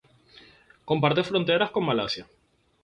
Comparte fronteras con Malasia.